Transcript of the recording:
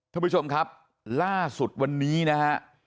ท่านผู้ชมครับล่าสุดวันนี้นะฮะ